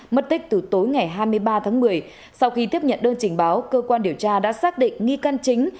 mất tích từ tối ngày hai mươi ba tháng một mươi sau khi tiếp nhận đơn trình báo cơ quan điều tra đã xác định nghi can chính